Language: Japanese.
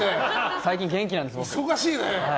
最近、元気なんです僕。